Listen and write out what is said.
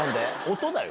音だよ。